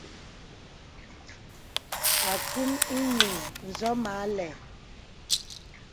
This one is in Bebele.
Akūm ìyìŋ ǹsɔ̀ mə àlɛ̂.